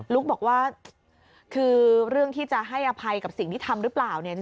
ุ๊กบอกว่าคือเรื่องที่จะให้อภัยกับสิ่งที่ทำหรือเปล่าเนี่ย